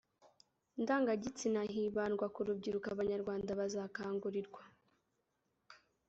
ndangagitsina hibandwa ku rubyiruko abanyarwanda bazakangurirwa